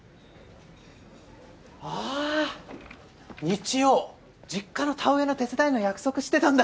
日曜実家の田植えの手伝いの約束してたんだ。